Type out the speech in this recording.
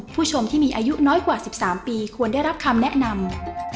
ผู้ชมที่มีอายุน้อยกว่า๑๓ปีควรได้รับคำแนะนำ